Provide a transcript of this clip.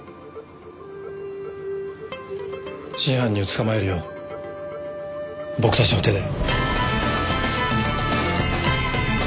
真犯人を捕まえるよ僕たちの手で。